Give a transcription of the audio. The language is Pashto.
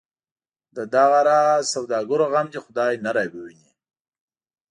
د دغه راز سوداګرو غم دی خدای نه راوویني.